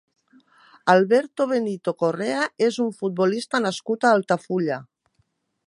Alberto Benito Correa és un futbolista nascut a Altafulla.